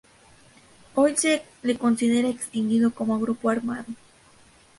Hoy se le considera extinguido como grupo armado.